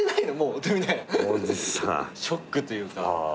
ショックというか。